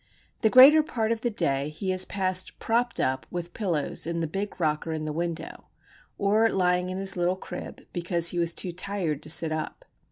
The greater part of the day he has passed propped up with pillows in the big rocker in the window, or lying in his little crib, because he was "too tired" to sit up.